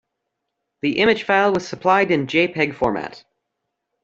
The image file was supplied in jpeg format.